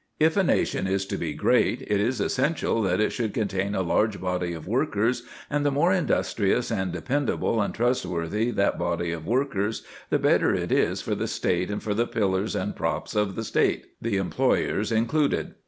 If a nation is to be great, it is essential that it should contain a large body of workers, and the more industrious and dependable and trustworthy that body of workers, the better it is for the State and for the pillars and props of the State, the employers included.